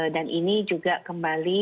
dan ini juga kembangkan